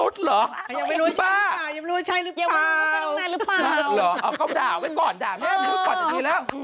ใช่